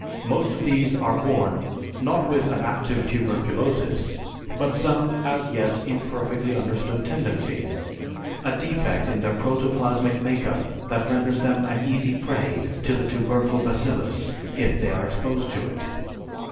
Most of these are born, not with an active tuberculosis, but some as yet imperfectly understood tendency, a defect in their protoplasmic make up that renders them an easy prey to the tubercle bacillus if they are exposed to it.